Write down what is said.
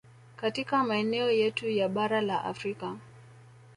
Katika maeneo yetu ya bara la Afrika